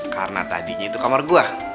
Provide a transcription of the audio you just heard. karena tadinya itu kamar gua